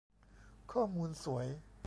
ข้อมูลสวย